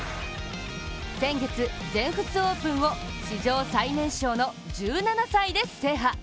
先月、全仏オープンを史上最年少の１７歳で制覇。